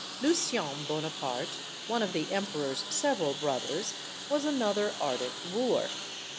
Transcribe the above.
Lucien Bonaparte, one of the emperor's several brothers, was another ardent wooer.